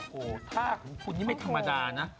โอ้โหท่าของคุณนี่ไม่ธรรมดานะ